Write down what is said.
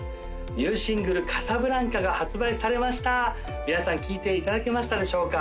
ニューシングル「カサブランカ」が発売されました皆さん聞いていただけましたでしょうか